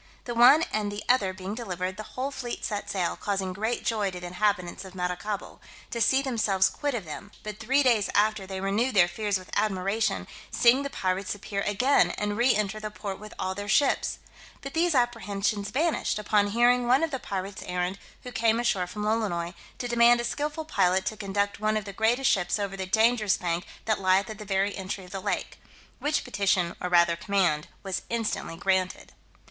The one and the other being delivered, the whole fleet set sail, causing great joy to the inhabitants of Maracaibo, to see themselves quit of them: but three days after they renewed their fears with admiration, seeing the pirates appear again, and re enter the port with all their ships: but these apprehensions vanished, upon hearing one of the pirate's errand, who came ashore from Lolonois, "to demand a skilful pilot to conduct one of the greatest ships over the dangerous bank that lieth at the very entry of the lake." Which petition, or rather command, was instantly granted.